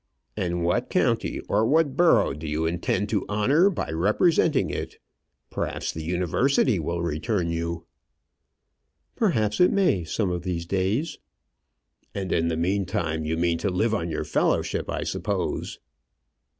"And what county, or what borough do you intend to honour by representing it? Perhaps the University will return you." "Perhaps it may some of these days." "And, in the meantime, you mean to live on your fellowship, I suppose?"